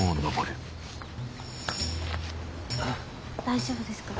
大丈夫ですか？